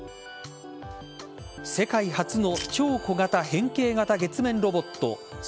世界初の超小型変形型月面ロボット